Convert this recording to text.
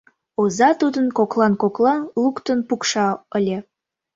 Оза тудым коклан-коклан луктын пукша ыле.